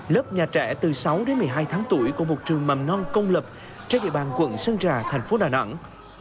lớp nhà trẻ từ sáu đến một mươi hai tháng tuổi của một trường mầm non công lập trên địa bàn quận sơn trà thành phố đà nẵng